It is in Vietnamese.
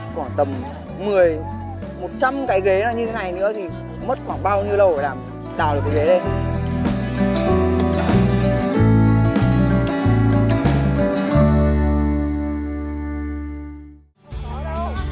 khoảng tầm một mươi một trăm linh cái ghế này như thế này nữa thì mất khoảng bao nhiêu lâu để đào được cái ghế này lên